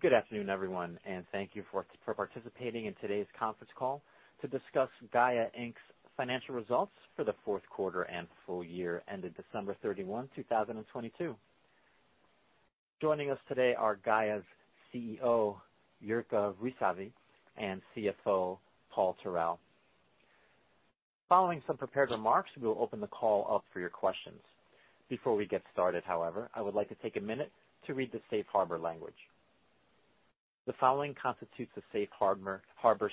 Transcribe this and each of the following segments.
Good afternoon, everyone, and thank you for participating in today's conference call to discuss Gaia, Inc.'s financial results for the fourth quarter and full year ended December 31, 2022. Joining us today are Gaia's CEO, Jirka Rysavy, and CFO, Paul Tarell. Following some prepared remarks, we will open the call up for your questions. Before we get started, however, I would like to take a minute to read the safe harbor language. The following constitutes a safe harbor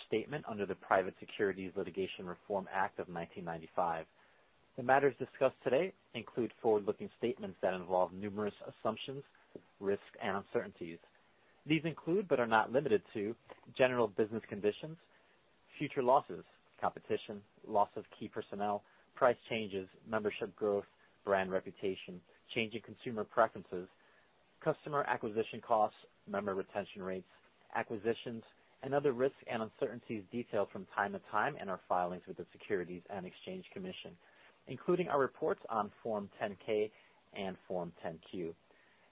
statement under the Private Securities Litigation Reform Act of 1995. The matters discussed today include forward-looking statements that involve numerous assumptions, risks, and uncertainties. These include, but are not limited to, general business conditions, future losses, competition, loss of key personnel, price changes, membership growth, brand reputation, changing consumer preferences, customer acquisition costs, member retention rates, acquisitions, and other risks and uncertainties detailed from time to time in our filings with the Securities and Exchange Commission, including our reports on Form 10-K and Form 10-Q.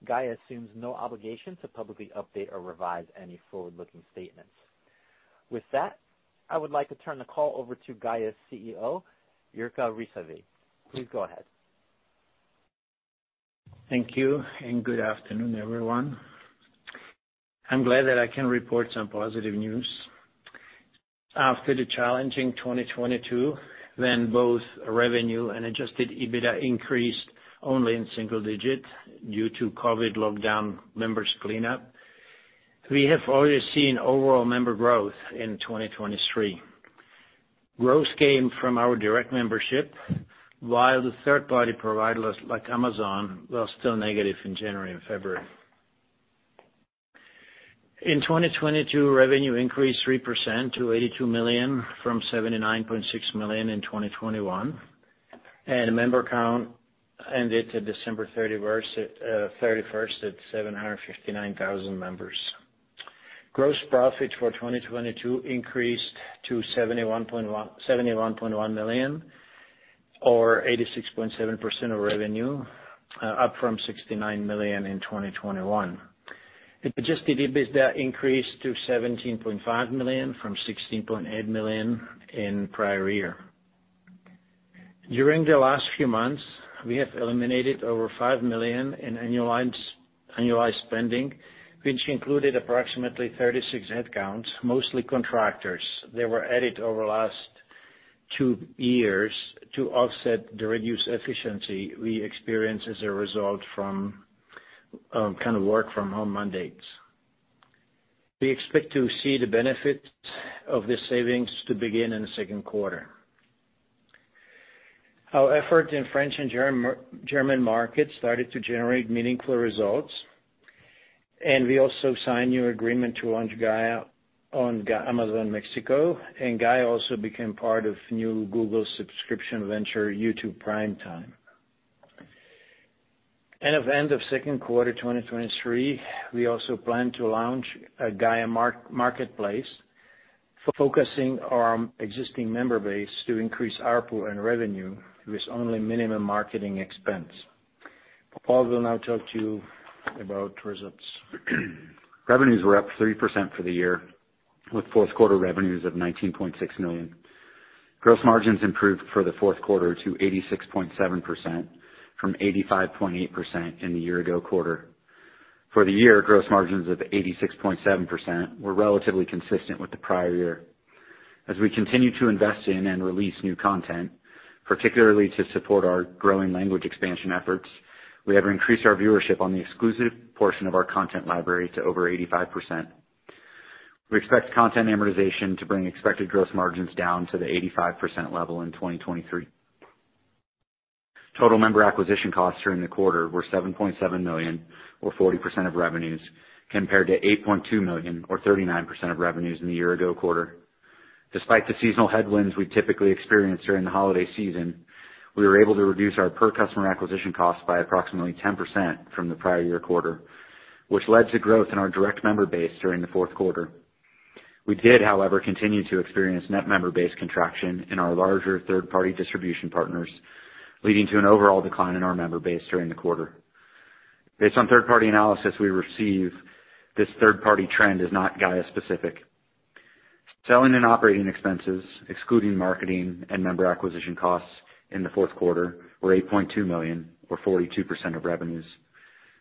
Gaia assumes no obligation to publicly update or revise any forward-looking statements. With that, I would like to turn the call over to Gaia's CEO, Jirka Rysavy. Please go ahead. Thank you and good afternoon, everyone. I'm glad that I can report some positive news. After the challenging 2022, when both revenue and adjusted EBITDA increased only in single digits due to COVID lockdown members cleanup, we have already seen overall member growth in 2023. Growth came from our direct membership, while the third-party providers like Amazon were still negative in January and February. In 2022, revenue increased 3% to $82 million from $79.6 million in 2021, and member count ended to December 31st at 759,000 members. Gross profit for 2022 increased to $71.1 million or 86.7% of revenue, up from $69 million in 2021. Adjusted EBITDA increased to $17.5 million from $16.8 million in prior year. During the last few months, we have eliminated over $5 million in annualized spending, which included approximately 36 headcounts, mostly contractors. They were added over the last two years to offset the reduced efficiency we experienced as a result from kind of work from home mandates. We expect to see the benefits of these savings to begin in the second quarter. Our effort in French and German markets started to generate meaningful results, and we also signed new agreement to launch Gaia on Amazon Mexico, and Gaia also became part of new Google subscription venture, YouTube Primetime. Of end of second quarter 2023, we also plan to launch a Gaia Marketplace focusing on existing member base to increase ARPU and revenue with only minimum marketing expense. Paul will now talk to you about results. Revenues were up 3% for the year, with fourth quarter revenues of $19.6 million. Gross margins improved for the fourth quarter to 86.7% from 85.8% in the year ago quarter. For the year, gross margins of 86.7% were relatively consistent with the prior year. As we continue to invest in and release new content, particularly to support our growing language expansion efforts, we have increased our viewership on the exclusive portion of our content library to over 85%. We expect content amortization to bring expected gross margins down to the 85% level in 2023. Total member acquisition costs during the quarter were $7.7 million or 40% of revenues, compared to $8.2 million or 39% of revenues in the year ago quarter. Despite the seasonal headwinds we typically experience during the holiday season, we were able to reduce our per customer acquisition cost by approximately 10% from the prior year quarter, which led to growth in our direct member base during the fourth quarter. We did, however, continue to experience net member base contraction in our larger third-party distribution partners, leading to an overall decline in our member base during the quarter. Based on third-party analysis we receive, this third-party trend is not Gaia-specific. Selling and operating expenses, excluding marketing and member acquisition costs in the fourth quarter, were $8.2 million or 42% of revenues,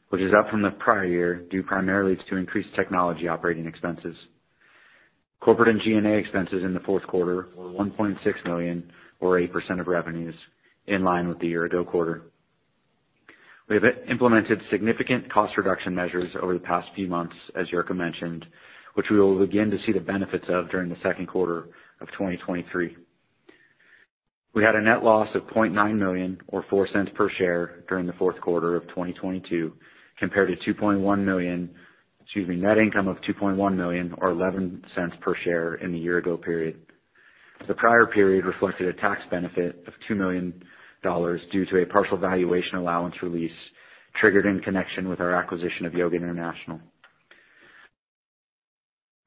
which is up from the prior year due primarily to increased technology operating expenses. Corporate and G&A expenses in the fourth quarter were $1.6 million or 8% of revenues in line with the year ago quarter. We have implemented significant cost reduction measures over the past few months, as Jirka mentioned, which we will begin to see the benefits of during the second quarter of 2023. We had a net loss of $0.9 million or $0.04 per share during the fourth quarter of 2022 compared to $2.1 million... Excuse me, net income of $2.1 million or $0.11 per share in the year ago period. The prior period reflected a tax benefit of $2 million due to a partial valuation allowance release triggered in connection with our acquisition of Yoga International.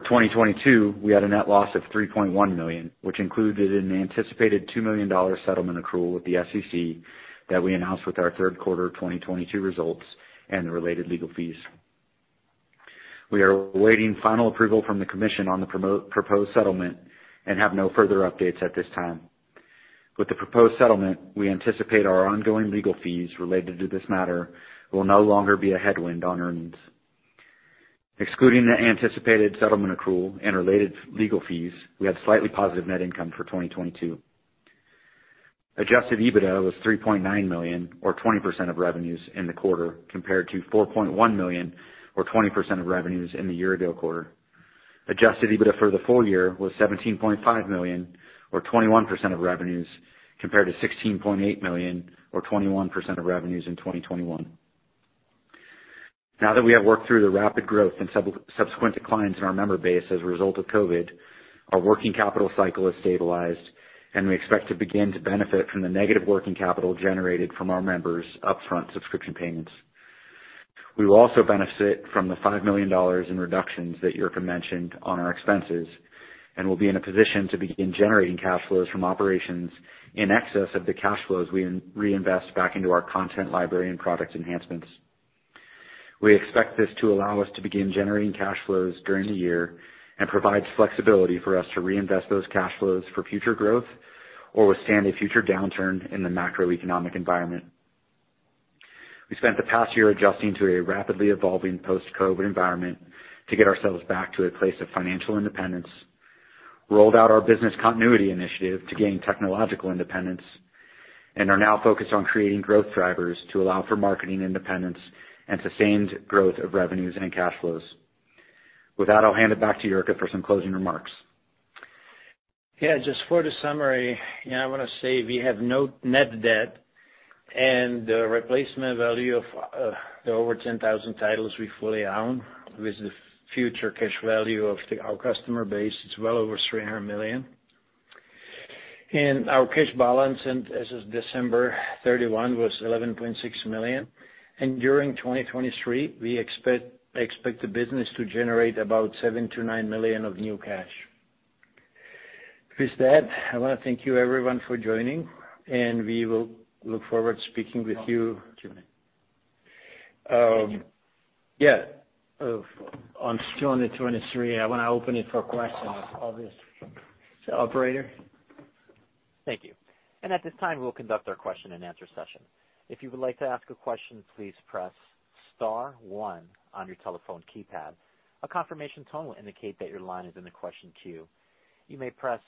2022, we had a net loss of $3.1 million, which included an anticipated $2 million settlement accrual with the SEC that we announced with our third quarter 2022 results and the related legal fees. We are awaiting final approval from the Commission on the proposed settlement and have no further updates at this time. With the proposed settlement, we anticipate our ongoing legal fees related to this matter will no longer be a headwind on earnings. Excluding the anticipated settlement accrual and related legal fees, we had slightly positive net income for 2022. Adjusted EBITDA was $3.9 million or 20% of revenues in the quarter compared to $4.1 million or 20% of revenues in the year ago quarter. Adjusted EBITDA for the full year was $17.5 million or 21% of revenues, compared to $16.8 million or 21% of revenues in 2021. Now that we have worked through the rapid growth and subsequent declines in our member base as a result of COVID, our working capital cycle is stabilized and we expect to begin to benefit from the negative working capital generated from our members' upfront subscription payments. We will also benefit from the $5 million in reductions that Jirka mentioned on our expenses, and we'll be in a position to begin generating cash flows from operations in excess of the cash flows we reinvest back into our content library and product enhancements. We expect this to allow us to begin generating cash flows during the year and provides flexibility for us to reinvest those cash flows for future growth or withstand a future downturn in the macroeconomic environment. We spent the past year adjusting to a rapidly evolving post-COVID environment to get ourselves back to a place of financial independence, rolled out our business continuity initiative to gain technological independence, and are now focused on creating growth drivers to allow for marketing independence and sustained growth of revenues and cash flows. With that, I'll hand it back to Jirka for some closing remarks. Yeah, just for the summary. Yeah, I wanna say we have no net debt and the replacement value of the over 10,000 titles we fully own with the future cash value of our customer base is well over $300 million. Our cash balance and as is December 31 was $11.6 million. During 2023, we expect the business to generate about $7 million-$9 million of new cash. With that, I wanna thank you everyone for joining, and we will look forward to speaking with you. Yeah, on 2023, I wanna open it for questions, obvious. Operator. Thank you. At this time, we'll conduct our question and answer session. If you would like to ask a question, please press star one on your telephone keypad. A confirmation tone will indicate that your line is in the question queue. You may press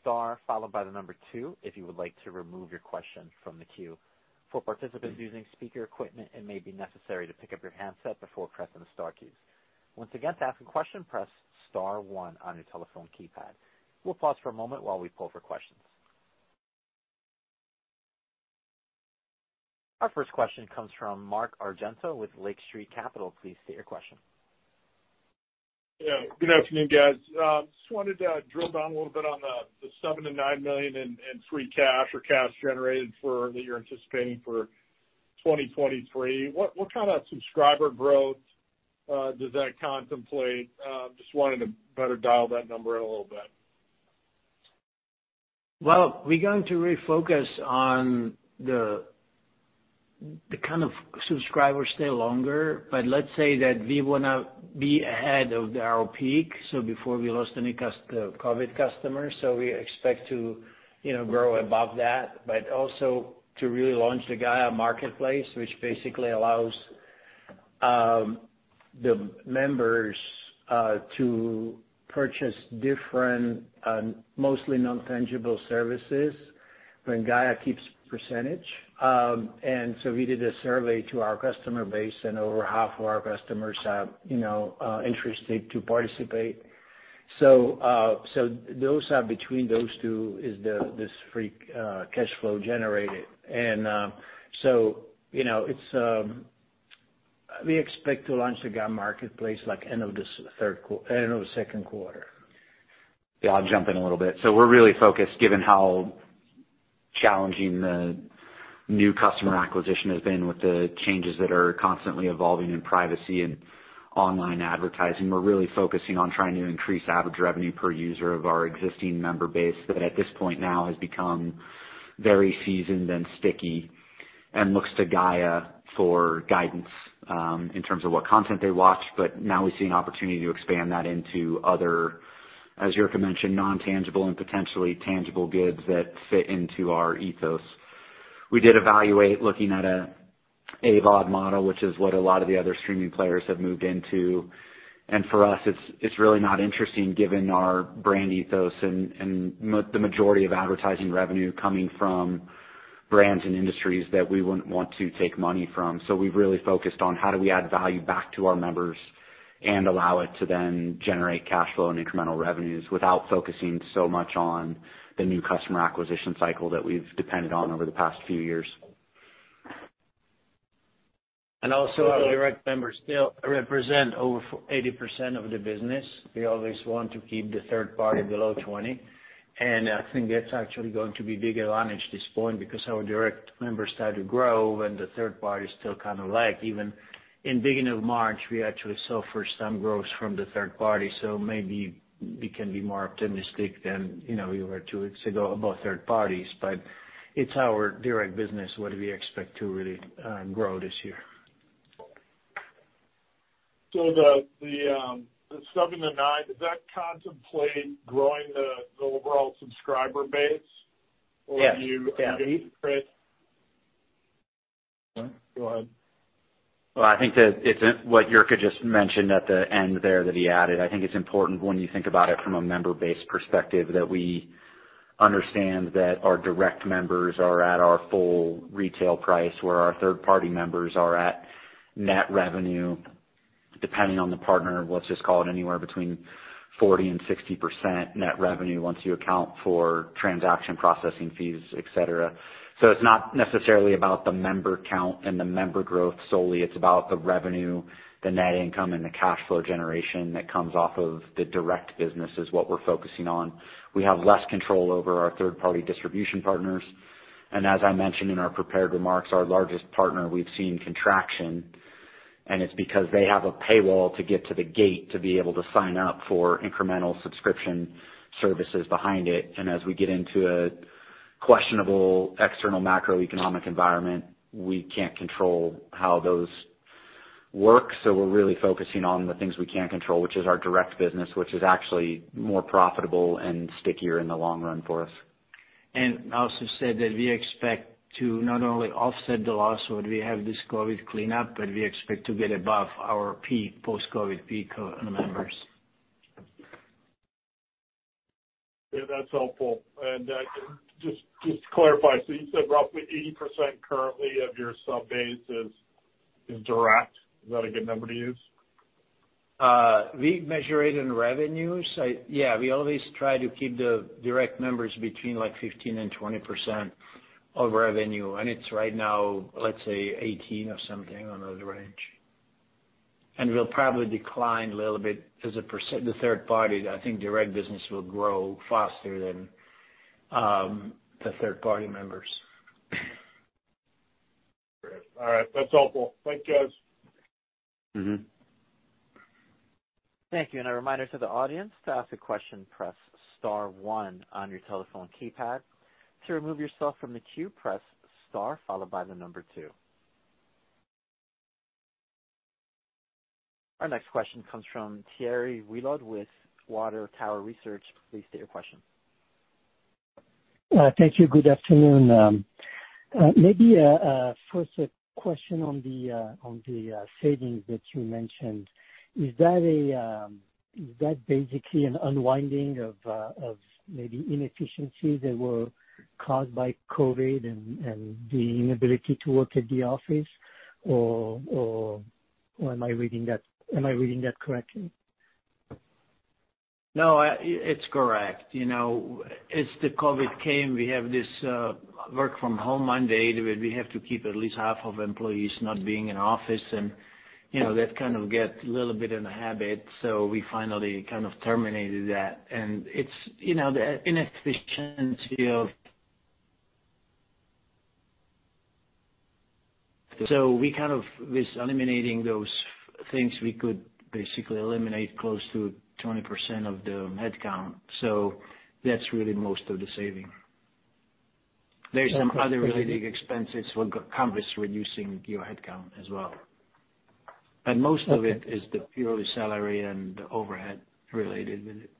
star followed by two if you would like to remove your question from the queue. For participants using speaker equipment, it may be necessary to pick up your handset before pressing the star keys. Once again, to ask a question, press star one on your telephone keypad. We'll pause for a moment while we pull for questions. Our first question comes from Mark Argento with Lake Street Capital. Please state your question. Good afternoon, guys. just wanted to drill down a little bit on the $7 million-$9 million in free cash or cash generated that you're anticipating for 2023. What kind of subscriber growth does that contemplate? just wanted to better dial that number in a little bit. We're going to refocus on the kind of subscribers stay longer, but let's say that we wanna be ahead of our peak, so before we lost any COVID customers. We expect to, you know, grow above that, but also to really launch the Gaia Marketplace, which basically allows the members to purchase different, mostly non-tangible services when Gaia keeps percentage. We did a survey to our customer base, and over half of our customers are, you know, interested to participate. Those are between those two is the, this free cash flow generated. You know, it's, we expect to launch the Gaia Marketplace like end of the second quarter. Yeah, I'll jump in a little bit. We're really focused given how challenging the new customer acquisition has been with the changes that are constantly evolving in privacy and online advertising. We're really focusing on trying to increase average revenue per user of our existing member base that at this point now has become very seasoned and sticky and looks to Gaia for guidance, in terms of what content they watch. Now we see an opportunity to expand that into other, as Jirka mentioned, non-tangible and potentially tangible goods that fit into our ethos. We did evaluate looking at a AVOD model, which is what a lot of the other streaming players have moved into. For us, it's really not interesting given our brand ethos and the majority of advertising revenue coming from brands and industries that we wouldn't want to take money from. We've really focused on how do we add value back to our members and allow it to then generate cash flow and incremental revenues without focusing so much on the new customer acquisition cycle that we've depended on over the past few years. Also our direct members still represent over 80% of the business. We always want to keep the third party below 20, and I think that's actually going to be bigger advantage this point because our direct members start to grow and the third party is still kinda lag even-In beginning of March, we actually saw first time growth from the third party, so maybe we can be more optimistic than, you know, we were two weeks ago about third parties. It's our direct business, what we expect to really grow this year. The 7-9, does that contemplate growing the overall subscriber base? Yes. Or do you- Yeah. increase? No, go ahead. Well, I think that it's, what Jirka just mentioned at the end there that he added, I think it's important when you think about it from a member-base perspective that we understand that our direct members are at our full retail price, where our third-party members are at net revenue, depending on the partner, let's just call it anywhere between 40% and 60% net revenue once you account for transaction processing fees, et cetera. It's not necessarily about the member count and the member growth solely, it's about the revenue, the net income and the cash flow generation that comes off of the direct business is what we're focusing on. We have less control over our third-party distribution partners. As I mentioned in our prepared remarks, our largest partner, we've seen contraction. It's because they have a paywall to get to the gate to be able to sign up for incremental subscription services behind it. As we get into a questionable external macroeconomic environment, we can't control how those work. We're really focusing on the things we can control, which is our direct business, which is actually more profitable and stickier in the long run for us. I also said that we expect to not only offset the loss when we have this COVID cleanup, but we expect to get above our peak, post-COVID peak, members. Yeah, that's helpful. Just to clarify, you said roughly 80% currently of your sub-base is direct. Is that a good number to use? We measure it in revenues. Yeah, we always try to keep the direct members between like 15% and 20% of revenue. It's right now, let's say 18% or something on the range. Will probably decline a little bit as the third party. I think direct business will grow faster than the third party members. Great. All right. That's helpful. Thank you, guys. Mm-hmm. Thank you. A reminder to the audience, to ask a question, press star one on your telephone keypad. To remove yourself from the queue, press star followed by the number two. Our next question comes from Thierry Wuilloud with Water Tower Research. Please state your question. Thank you. Good afternoon. Maybe a first question on the savings that you mentioned. Is that basically an unwinding of maybe inefficiencies that were caused by COVID and the inability to work at the office, or am I reading that correctly? No, it's correct. You know, as the COVID came, we have this work from home mandate where we have to keep at least half of employees not being in office. You know, that kind of get a little bit in the habit, so we finally kind of terminated that. It's, you know, the inefficiency of... We kind of, with eliminating those things, we could basically eliminate close to 20% of the headcount. That's really most of the saving. Okay. There's some other related expenses when it comes with reducing your headcount as well. Most of it is the pure salary and the overhead related with it.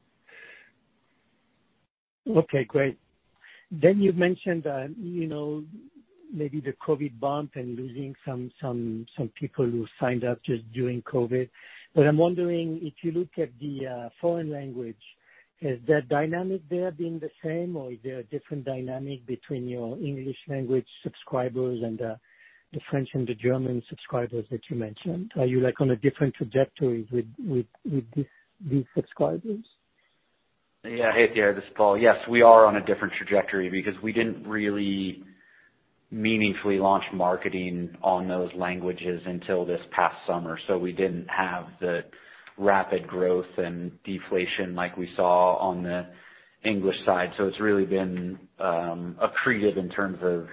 Okay, great. You've mentioned, you know, maybe the COVID bump and losing some people who signed up just during COVID. I'm wondering, if you look at the foreign language, has that dynamic there been the same or is there a different dynamic between your English language subscribers and the French and the German subscribers that you mentioned? Are you like on a different trajectory with these subscribers? Yeah. Hey, Thierry, this is Paul. Yes, we are on a different trajectory because we didn't really meaningfully launch marketing on those languages until this past summer. We didn't have the rapid growth and deflation like we saw on the English side. It's really been accretive in terms of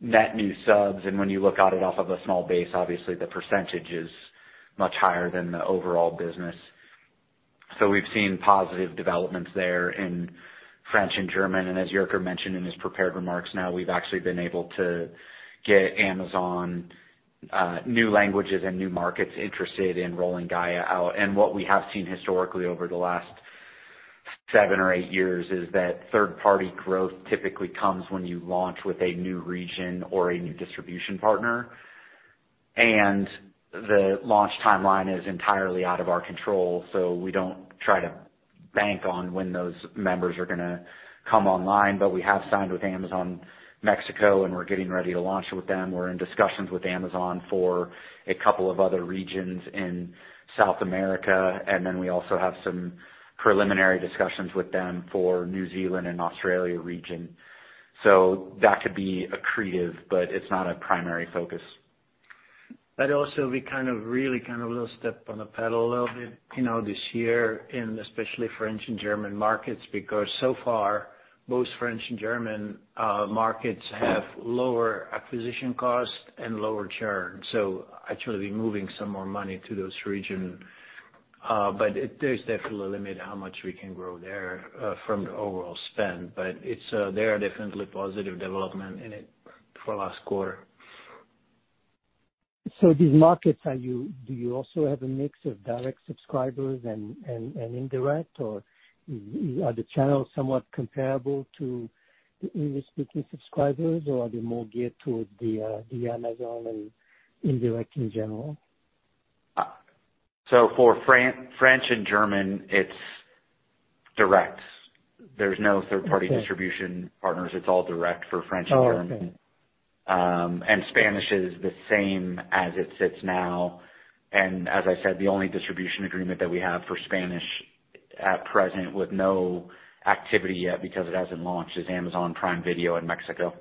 net new subs. When you look at it off of a small base, obviously the percentage is much higher than the overall business. We've seen positive developments there in French and German. As Jirka mentioned in his prepared remarks, now we've actually been able to get Amazon new languages and new markets interested in rolling Gaia out. What we have seen historically over the last seven or eight years is that third party growth typically comes when you launch with a new region or a new distribution partner. The launch timeline is entirely out of our control, so we don't try to bank on when those members are gonna come online. We have signed with Amazon Mexico, and we're getting ready to launch with them. We're in discussions with Amazon for a couple of other regions in South America. We also have some preliminary discussions with them for New Zealand and Australia region. That could be accretive, but it's not a primary focus. Also we kind of really kind of little step on the pedal a little bit, you know, this year in especially French and German markets because so far both French and German markets have lower acquisition costs and lower churn, so actually moving some more money to those region. There's definitely a limit how much we can grow there from the overall spend. It's there are definitely positive development in it for last quarter. These markets, do you also have a mix of direct subscribers and indirect or are the channels somewhat comparable to the English-speaking subscribers or are they more geared toward the Amazon and indirect in general? For French and German, it's direct. There's no third-party. Okay. distribution partners. It's all direct for French and German. Oh, okay. Spanish is the same as it sits now. As I said, the only distribution agreement that we have for Spanish at present with no activity yet because it hasn't launched, is Amazon Prime Video in Mexico.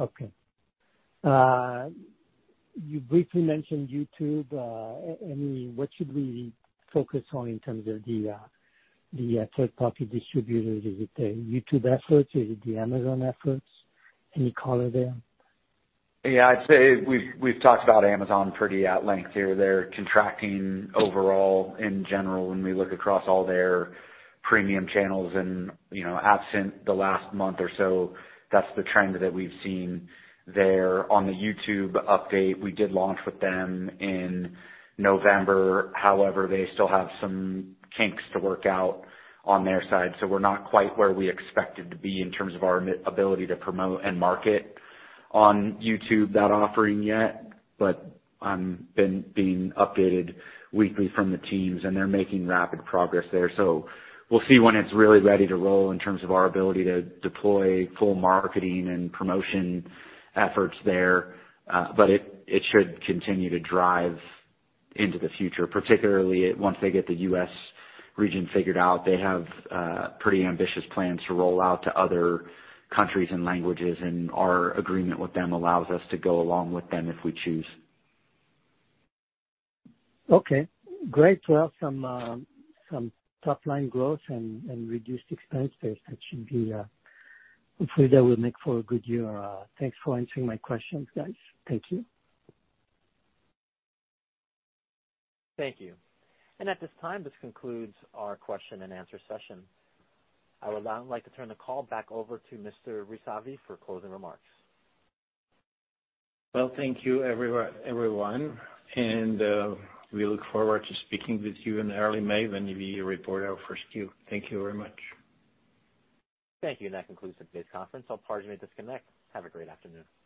Okay. you briefly mentioned YouTube. What should we focus on in terms of the third-party distributors? Is it the YouTube efforts? Is it the Amazon efforts? Any color there? Yeah, I'd say we've talked about Amazon pretty at length. They're contracting overall in general when we look across all their premium channels and, you know, absent the last month or so, that's the trend that we've seen there. On the YouTube update, we did launch with them in November. However, they still have some kinks to work out on their side, so we're not quite where we expected to be in terms of our ability to promote and market on YouTube that offering yet. I'm updated weekly from the teams, and they're making rapid progress there. We'll see when it's really ready to roll in terms of our ability to deploy full marketing and promotion efforts there. It should continue to drive into the future, particularly once they get the U.S. region figured out. They have, pretty ambitious plans to roll out to other countries and languages, and our agreement with them allows us to go along with them if we choose. Okay, great to have some top line growth and reduced expense base. That should be, hopefully that will make for a good year. Thanks for answering my questions, guys. Thank you. Thank you. At this time, this concludes our question and answer session. I would now like to turn the call back over to Mr. Rysavy for closing remarks. Well, thank you everyone, we look forward to speaking with you in early May when we report our first Q. Thank you very much. Thank you. That concludes today's conference. All parties may disconnect. Have a great afternoon.